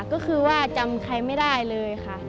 ก็คือว่าจำใครไม่ได้เลยค่ะ